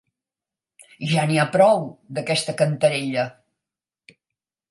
Ja n'hi ha prou, d'aquesta cantarella!